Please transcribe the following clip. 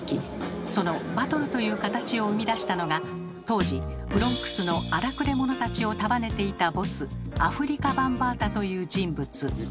そのバトルという形を生み出したのが当時ブロンクスの荒くれ者たちを束ねていたボスアフリカ・バンバータという人物。